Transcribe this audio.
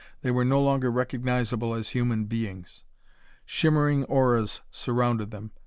They were no longer recognizable as human beings. Shimmering auras surrounded them.